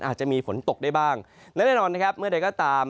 อาจจะมีฝนตกได้บ้างและแน่นอนนะครับเมื่อใดก็ตาม